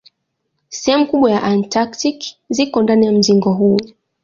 Sehemu kubwa ya Antaktiki ziko ndani ya mzingo huu.